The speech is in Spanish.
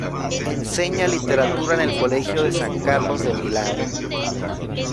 Enseña literatura en el colegio de San Carlos de Milán.